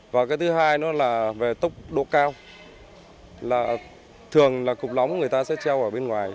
và cái thứ hai nữa là về tốc độ cao là thường là cục lóng người ta sẽ treo ở bên ngoài